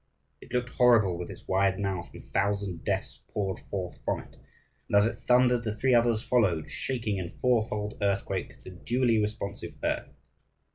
It looked horrible with its wide mouth, and a thousand deaths poured forth from it. And as it thundered, the three others followed, shaking in fourfold earthquake the dully responsive earth.